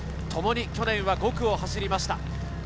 ともに去年は５区を走りました。